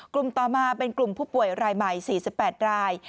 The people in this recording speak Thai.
กลุ่มต่อมาเป็นกลุ่มผู้ป่วยรายใหม่๔๘ราย